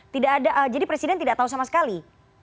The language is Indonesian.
tidak ada jadi presiden tidak tahu sama sekali